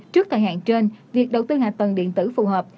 trước thời hạn trên việc đầu tư hạ tầng điện tử phù hợp